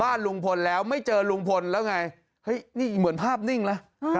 ลุงพลแล้วไม่เจอลุงพลแล้วไงเฮ้ยนี่เหมือนภาพนิ่งนะ